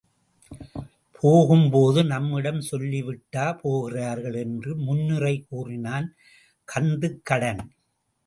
போகும்போது நம்மிடம் சொல்லி விட்டா போகிறார்கள் என்று முன்னுரை கூறினான் கந்துக்கடன்.